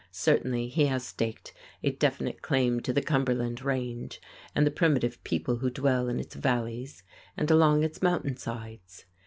Certainly he has staked a definite claim to the Cumberland Range and the primitive people who dwell in its valleys and along its mountainsides.